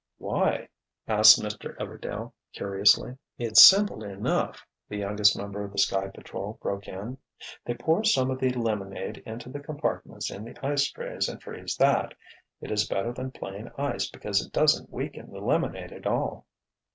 "Why?" asked Mr. Everdail, curiously. "It's simple enough," the youngest member of the Sky Patrol broke in. "They pour some of the lemonade into the compartments in the ice trays and freeze that. It is better than plain ice because it doesn't weaken the lemonade at all."